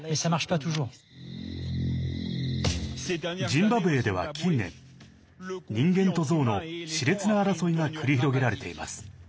ジンバブエでは、近年人間とゾウのしれつな争いが繰り広げられています。